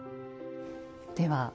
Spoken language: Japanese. では。